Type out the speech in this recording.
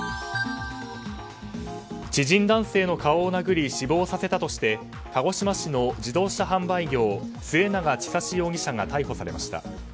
知人男性の顔を殴り死亡させたとして鹿児島市の自動車販売業末永稚容疑者が逮捕されました。